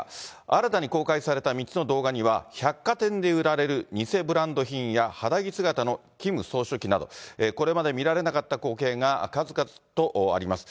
新たに公開された３つの動画には、百貨店で売られる偽ブランド品や肌着姿のキム総書記など、これまで見られなかった光景が数々とあります。